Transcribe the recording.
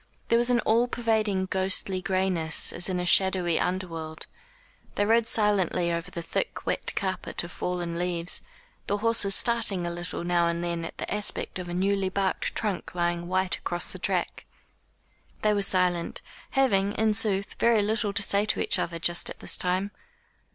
There was an all pervading ghostly grayness as in a shadowy under world. They rode silently over the thick wet carpet of fallen leaves, the horses starting a little now and then at the aspect of a newly barked trunk lying white across the track. They were silent, having, in sooth, very little to say to each other just at this time.